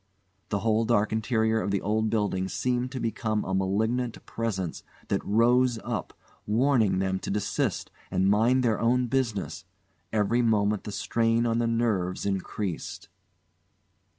The whole dark interior of the old building seemed to become a malignant Presence that rose up, warning them to desist and mind their own business; every moment the strain on the nerves increased.